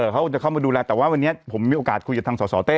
เขาจะเข้ามาดูแลแต่ว่าวันนี้ผมมีโอกาสคุยกับทางสสเต้